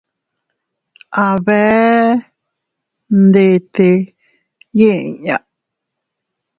A bee ndete yiʼi inña.